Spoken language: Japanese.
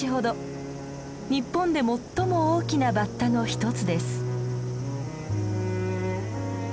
日本で最も大きなバッタの一つです。